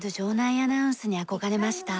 アナウンスに憧れました。